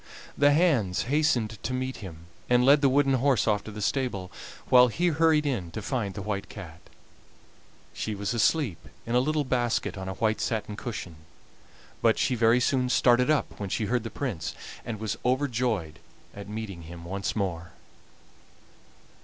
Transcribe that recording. The hands hastened to meet him, and led the wooden horse off to the stable, while he hurried in to find the White Cat. She was asleep in a little basket on a white satin cushion, but she very soon started up when she heard the Prince, and was overjoyed at seeing him once more.